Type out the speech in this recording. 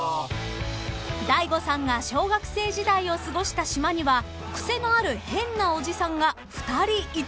［大悟さんが小学生時代を過ごした島にはクセのある変なおじさんが２人いたそうで］